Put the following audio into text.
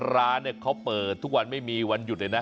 ร้านเขาเปิดทุกวันไม่มีวันหยุดเลยนะ